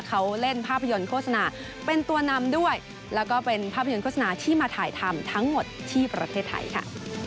เขาเล่นภาพยนตร์โฆษณาเป็นตัวนำด้วยแล้วก็เป็นภาพยนตร์โฆษณาที่มาถ่ายทำทั้งหมดที่ประเทศไทยค่ะ